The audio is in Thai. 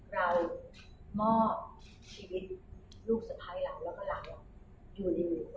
เรามอบชีวิตลูกสะพัดของเราแล้วก็เราอยู่ในมือ